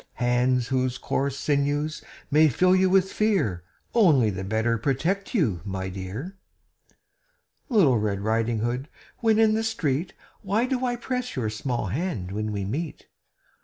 Hands whose coarse sinews may fill you with fear Only the better protect you, my dear! Little Red Riding Hood, when in the street, Why do I press your small hand when we meet?